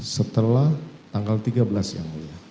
setelah tanggal tiga belas yang mulia